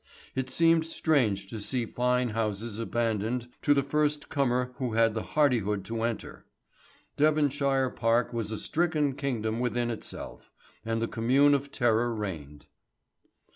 It seemed strange to see fine houses abandoned to the first comer who had the hardihood to enter. Devonshire Park was a stricken kingdom within itself, and the Commune of terror reigned.